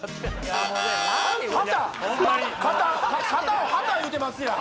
旗⁉肩を旗言うてますやん！